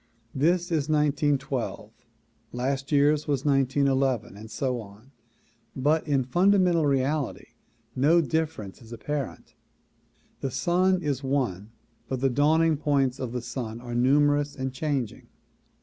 This is 1912, last year's was 1911 and so on, but in fundamental reality no difference is apparent. The sun is one but the dawning points of the sun are numerous and changing.